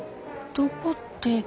どこって。